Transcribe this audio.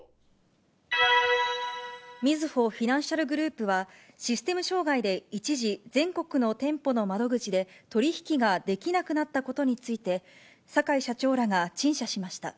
みずほフィナンシャルグループは、システム障害で一時、全国の店舗の窓口で、取り引きができなくなったことについて、坂井社長らが陳謝しました。